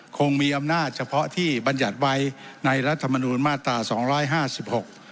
คงมีอำนาจเฉพาะที่บรรยัติไว้ในรัฐมนูลมาตราสองร้อยห้าสิบหก